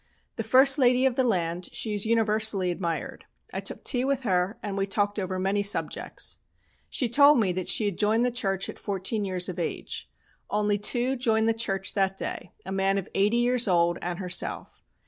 The first lady of the land, she is universally admired. I took tea with her and we talked over many subjects. She told me that she had joined the church at fourteen years of age. Only two joined the church that day, a man of eighty years old and herself.